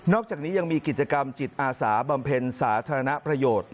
อกจากนี้ยังมีกิจกรรมจิตอาสาบำเพ็ญสาธารณประโยชน์